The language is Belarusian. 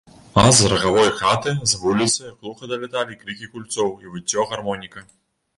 А з рагавой хаты, з вуліцы, глуха даляталі крыкі гульцоў і выццё гармоніка.